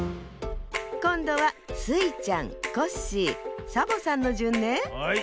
こんどはスイちゃんコッシーサボさんのじゅんね。